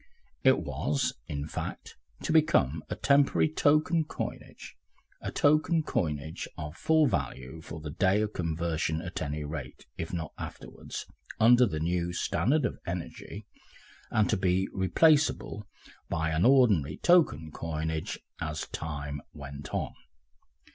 It was, in fact, to become a temporary token coinage, a token coinage of full value for the day of conversion at any rate, if not afterwards, under the new standard of energy, and to be replaceable by an ordinary token coinage as time went on.